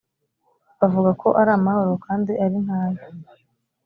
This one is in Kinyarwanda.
bavuga ko ari amahoro kandi ari nta yo